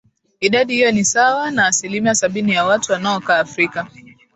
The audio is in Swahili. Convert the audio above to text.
idadi hiyo ni sawa na asilimia sabini ya watu wanaokaa afrika